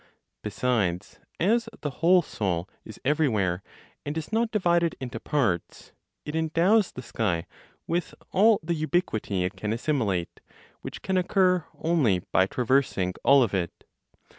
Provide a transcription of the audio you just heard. Besides, as the whole Soul is everywhere, and is not divided into parts, it endows the sky with all the ubiquity it can assimilate, which can occur only by traversing all of it.